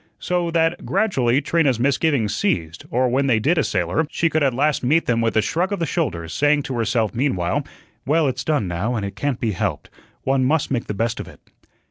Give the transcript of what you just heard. So that gradually Trina's misgivings ceased, or when they did assail her, she could at last meet them with a shrug of the shoulders, saying to herself meanwhile, "Well, it's done now and it can't be helped; one must make the best of it."